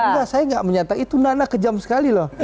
enggak saya enggak menyatakan itu nana kejam sekali loh